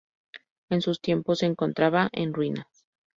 En sus tiempos se encontraba en ruinas.